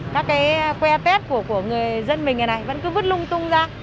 cái que tét của người dân mình này này vẫn cứ vứt lung tung ra